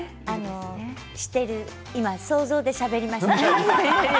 今、想像でしゃべりました。